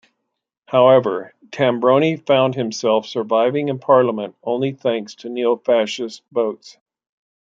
However Tambroni found himself surviving in Parliament only thanks to neo-fascist votes.